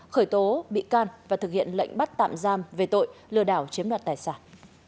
khởi tố bị can và thực hiện lệnh bắt tạm giam về tội lừa đảo chiếm đoạt tài sản